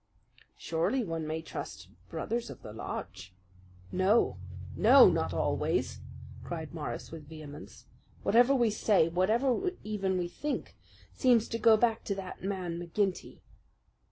"Surely one may trust brothers of the lodge." "No, no, not always," cried Morris with vehemence. "Whatever we say, even what we think, seems to go back to that man McGinty."